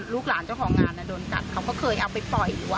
ลูกหลานเจ้าของงานโดนกัดเขาก็เคยเอาไปปล่อยอยู่